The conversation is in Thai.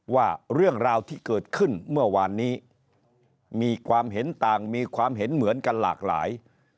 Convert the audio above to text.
ว่าเรื่องราวที่เกิดขึ้นเมื่อวานนี้มีความเห็นต่างมีความเห็นเหมือนกันหลากหลาย